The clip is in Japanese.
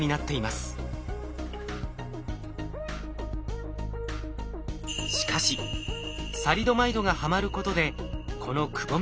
しかしサリドマイドがはまることでこのくぼみの形が変化すると。